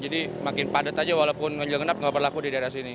jadi makin padat aja walaupun ganjil genap nggak berlaku di daerah sini